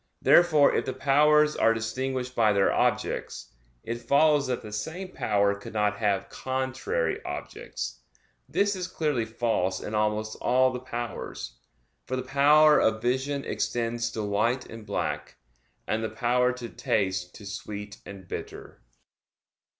Therefore if the powers are distinguished by their objects, it follows that the same power could not have contrary objects. This is clearly false in almost all the powers; for the power of vision extends to white and black, and the power to taste to sweet and bitter.